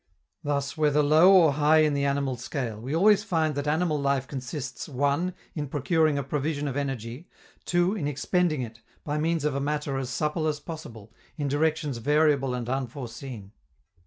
Thus, whether low or high in the animal scale, we always find that animal life consists (1) in procuring a provision of energy; (2) in expending it, by means of a matter as supple as possible, in directions variable and unforeseen.